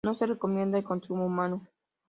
No se recomienda el consumo humano.